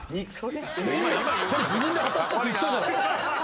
それ自分で「当たった」って言ったじゃない。